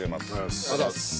ありがとうございます。